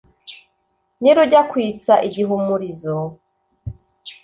Nirujya kwitsa igihumurizo